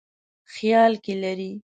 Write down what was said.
خیال کې لري.